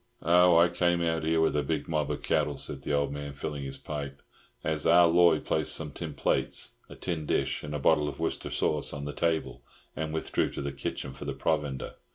"Oh, I came out here with a big mob of cattle," said the old man, filling his pipe, as Ah Loy placed some tin plates, a tin dish, and a bottle of Worcester sauce on the table, and withdrew to the kitchen for the provender.